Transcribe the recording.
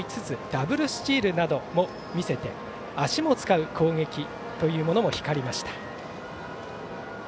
ダブルスチールなども見せて足を使う攻撃も光りました。